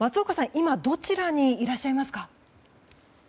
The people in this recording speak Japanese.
今どちらにいらっしゃいますか？